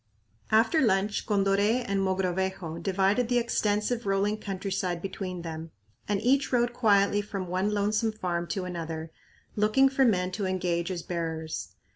After lunch, Condoré and Mogrovejo divided the extensive rolling countryside between them and each rode quietly from one lonesome farm to another, looking for men to engage as bearers.